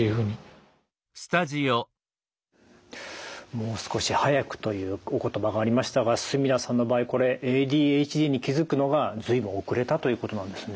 もう少し早くというお言葉がありましたが墨田さんの場合これＡＤＨＤに気付くのが随分遅れたということなんですね。